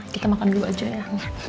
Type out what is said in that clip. kita makan dulu aja ya